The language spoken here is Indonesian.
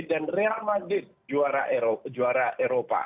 dan real madrid juara eropa